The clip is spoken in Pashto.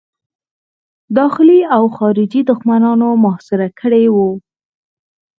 داخلي او خارجي دښمنانو محاصره کړی وو.